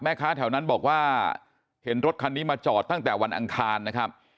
แถวนั้นบอกว่าเห็นรถคันนี้มาจอดตั้งแต่วันอังคารนะครับ